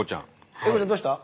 英孝ちゃんどうした？